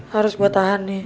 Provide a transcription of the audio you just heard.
harus gua tahan ya